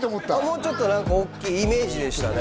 もうちょっと大きいイメージでしたね